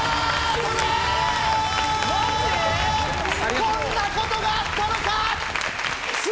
・こんなことがあったのか！